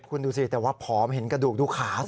คุณดูสิแต่ว่าผอมเห็นกระดูกดูขา